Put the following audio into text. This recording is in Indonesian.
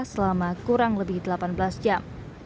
selama kurang lebih delapan belas jam